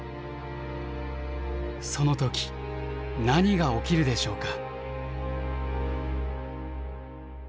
その時何が起きるでしょうか？